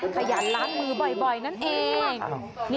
ขยันล้างมือบ่อยนั่นเอง